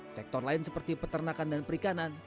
sektor lain seperti peternakan dan perikanan